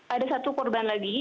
ada satu korban lagi